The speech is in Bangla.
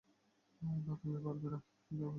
না, তুমি পারবে না, কিন্তু আমি পারব।